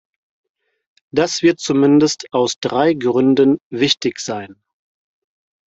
Das wird zumindest aus drei Gründen wichtig sein.